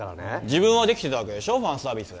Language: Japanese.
自分はできてたわけでしょファンサービス